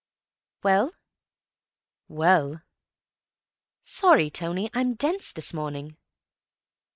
"Well?" "Well." "Sorry, Tony; I'm dense this morning."